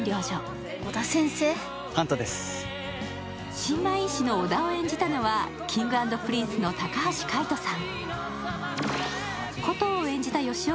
新米医師の織田を演じたのはＫｉｎｇ＆Ｐｒｉｎｃｅの高橋海人さん。